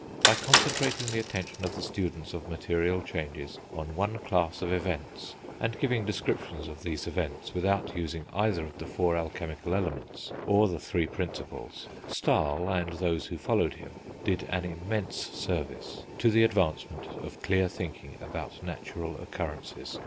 By concentrating the attention of the students of material changes on one class of events, and giving descriptions of these events without using either of the four alchemical Elements, or the three Principles, Stahl, and those who followed him, did an immense service to the advancement of clear thinking about natural occurrences.